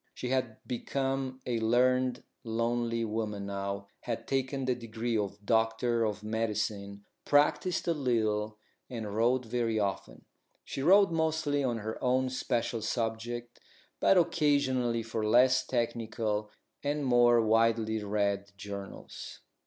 She had become a learned, lonely woman now, had taken the degree of doctor of medicine, practised a little, and wrote very often. She wrote mostly on her own special subject, but occasionally for less technical and more widely read journals.